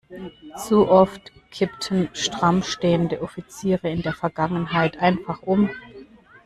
Zu oft kippten stramm stehende Offiziere in der Vergangenheit einfach um.